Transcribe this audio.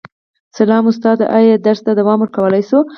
سلام استاده ایا درس ته دوام ورکولی شو